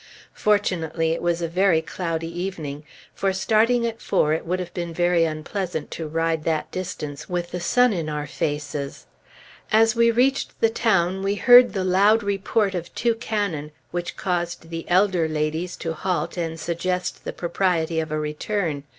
Fortunately it was a very cloudy evening; for, starting at four, it would have been very unpleasant to ride that distance with the sun in our faces. As we reached the town we heard the loud report of two cannon which caused the elder ladies to halt and suggest the propriety of a return.